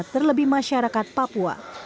terlebih masyarakat papua